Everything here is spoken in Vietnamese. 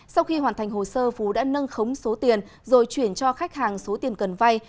sau khi hoàn thành hồ sơ phú đã nâng khống số tiền rồi chuyển cho khách hàng số tiền cần vay